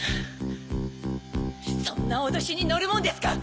そんな脅しに乗るもんですか！